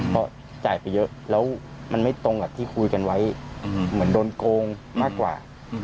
เพราะจ่ายไปเยอะแล้วมันไม่ตรงกับที่คุยกันไว้เหมือนโดนโกงมากกว่า